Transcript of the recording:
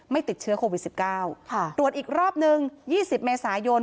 ไม่ติดเชื้อโควิดสิบเก้าตรวจอีกรอบหนึ่งยี่สิบเมษายน